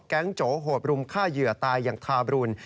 แก๊งโจ๊กโหดรุมฆ่าเหยื่อตายอย่างทาบรูล